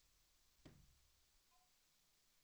Nasabwa bile miri tafuta kusema